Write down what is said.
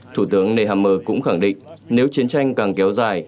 thủ tướng nehammer cũng khẳng định nếu chiến tranh càng kéo dài